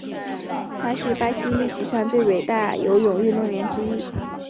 他是巴西历史上最伟大游泳运动员之一。